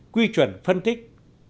quy chuẩn phân tích